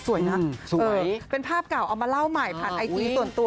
สวยเป็นภาพเก่าเอามาเล่าใหม่ผ่านไอจีส่วนตัว